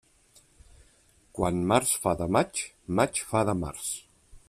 Quan març fa de maig, maig fa de març.